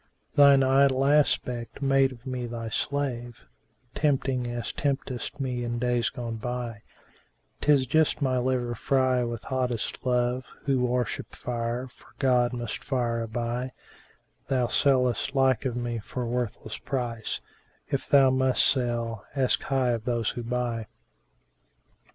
Thine idol aspect made of me thy slave, * Tempting as temptedst me in days gone by: 'Tis just my liver fry with hottest love: * Who worship fire for God must fire aby: Thou sellest like of me for worthless price; * If thou must sell, ask high of those who buy."